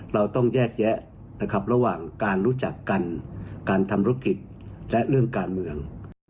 เราต้องแยกแยะนะครับระหว่างการรู้จักกันการทำธุรกิจและเรื่องการเมือง